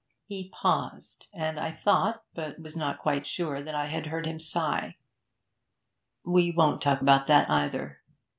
He paused, and I thought, but was not quite sure, that I heard him sigh. 'We won't talk about that either.